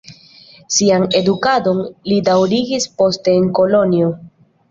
Sian edukadon li daŭrigis poste en Kolonjo.